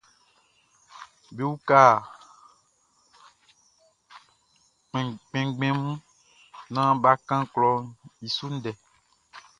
Be uka kpɛnngbɛn mun naan bʼa kan klɔʼn i su ndɛ.